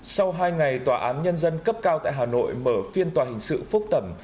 sau hai ngày tòa án nhân dân cấp cao tại hà nội mở phiên tòa hình sự phúc thẩm